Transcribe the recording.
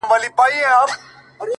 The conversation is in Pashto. زما خوښيږي پر ماگران دى د سين تـورى،